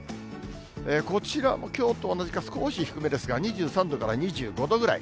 こちら、きょうと同じか、少し低めですが、２３度から２５度ぐらい。